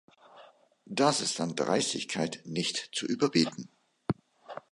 Das ist an Dreistigkeit nicht zu überbieten!